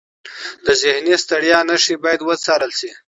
د ذهني ستړیا نښې باید وڅارل شي.